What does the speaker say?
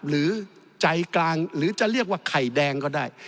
หรือใจกลางหรือจะเรียกว่าไข่แดงก็ได้